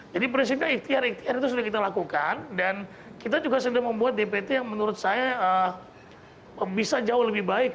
jadi prinsipnya ikhtiar ikhtiar itu sudah kita lakukan dan kita juga sedang membuat dpt yang menurut saya bisa jauh lebih baik